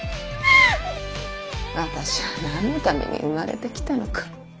私は何のために生まれてきたのか。